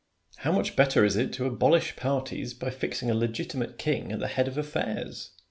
How much better is it to abolish parties by fixing a legitimate king at the head of affairs